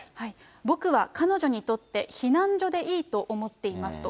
僕は彼女にとって避難所でいいと思っていますと。